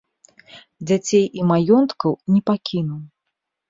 Дзяцей і маёнткаў не пакінуў.